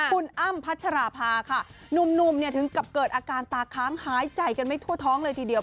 คุณอ้ำพัชราภาค่ะหนุ่มเนี่ยถึงกับเกิดอาการตาค้างหายใจกันไม่ทั่วท้องเลยทีเดียว